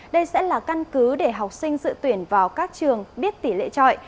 đây sẽ là căn cứ để học sinh dự tuyển vào các trường biết tỷ lệ trọi